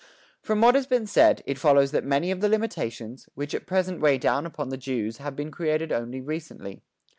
From what has been said, it follows that many of the limitations, which at present weigh down upon the Jews have been created only recently.